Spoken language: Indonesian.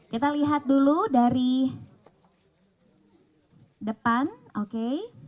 kita lihat dulu dari depan oke